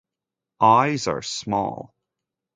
Eyes are small.